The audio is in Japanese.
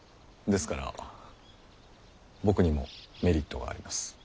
ですから僕にもメリットがあります。